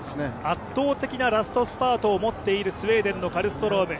圧倒的なラストスパートを持っているスウェーデンのカルストローム。